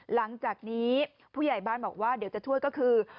หลังจากนี้ผู้ใหญ่บ้านบอกว่าเดี๋ยวจะช่วยก็คือ